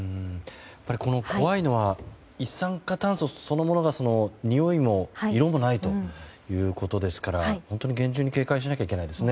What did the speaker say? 怖いのは一酸化炭素そのものがにおいも色もないということですから本当に厳重に警戒しなきゃいけないですね。